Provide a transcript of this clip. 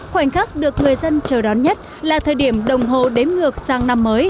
khoảnh khắc được người dân chờ đón nhất là thời điểm đồng hồ đếm ngược sang năm mới hai nghìn hai mươi